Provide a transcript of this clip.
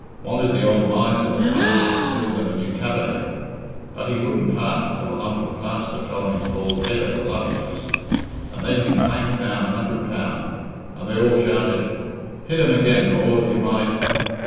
Wanted the ould miser that runs it to build them a new tabernacle, but he wouldn't part till a lump of plaster fell on his bald head at a love feast, and then he planked down a hundred pound, and they all shouted, 'Hit him again, Lord you might!'...